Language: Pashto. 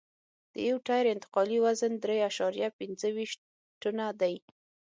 د یو ټیر انتقالي وزن درې اعشاریه پنځه ویشت ټنه دی